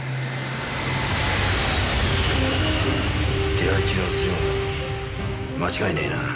手配中の本に間違いねえな。